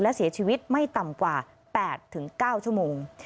และเสียชีวิตไม่ต่ำกว่า๘๙ชั่วโมง